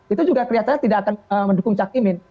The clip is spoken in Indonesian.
itu juga kelihatannya tidak akan mendukung cakimin